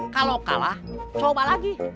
kalau kalah coba lagi